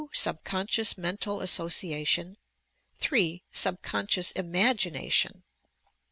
Subconscious mental association, 3. Subconscious imagination.